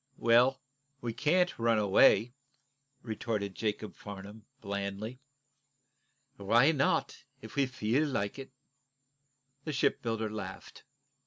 "Well, we can't run away," retorted Jacob Farnum, blandly. "Why not, if we feel like it?" The shipbuilder laughed.